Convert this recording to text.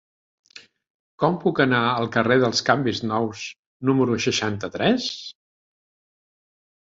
Com puc anar al carrer dels Canvis Nous número seixanta-tres?